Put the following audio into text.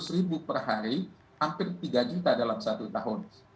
rp seratus per hari hampir rp tiga juta dalam satu tahun